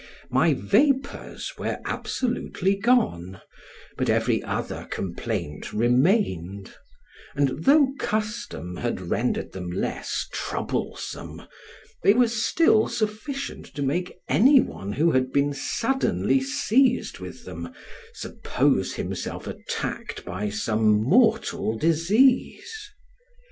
My vapors were absolutely gone, but every other complaint remained, and though custom had rendered them less troublesome, they were still sufficient to make any one who had been suddenly seized with them, suppose himself attacked by some mortal disease.